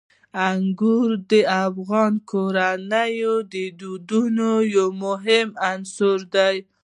انګور د افغان کورنیو د دودونو یو مهم عنصر دی.